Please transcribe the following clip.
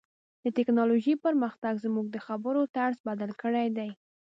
د ټکنالوژۍ پرمختګ زموږ د خبرو طرز بدل کړی دی.